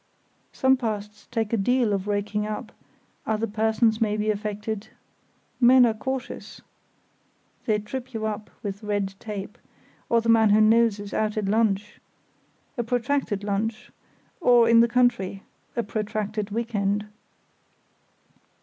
Some pasts take a deal of raking up—other persons may be affected; men are cautious, they trip you up with red tape; or the man who knows is out at lunch—a protracted lunch; or in the country—a protracted week end.